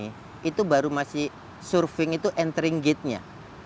surfing itu baru masih entering gate nya